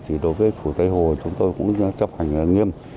thì đối với phủ tây hồ chúng tôi cũng chấp hành nghiêm